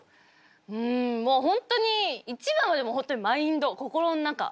うんもう本当に一番はでも本当にマインド心の中。